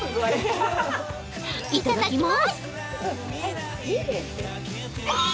いただきまーす。